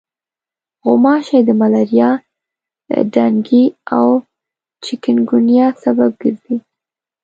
غوماشې د ملاریا، ډنګي او چکنګونیا سبب ګرځي.